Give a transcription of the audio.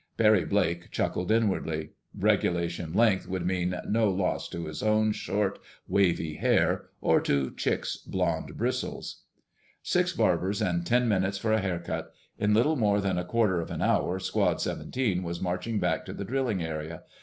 Barry Blake chuckled inwardly. "Regulation length" would mean no loss to his own short, wavy hair, or to Chick's blond bristles. Six barbers and ten minutes for a haircut! In little more than a quarter of an hour, Squad 17 was marching back to the drilling area.